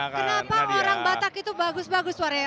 kenapa orang batak itu bagus bagus suara ya